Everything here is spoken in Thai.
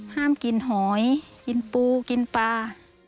ห้ามกินหอยกินปูกินปลา